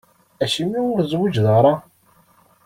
Acimi ur tezwiǧ ara?